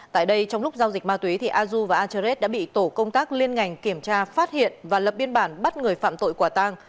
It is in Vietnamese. trong lúc giao dịch ma túy a du và a choret đã bị tổ công tác liên ngành kiểm tra phát hiện và lập biên bản bắt người phạm tội quả tăng